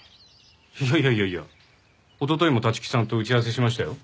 いやいやいやいやおとといも立木さんと打ち合わせしましたよ。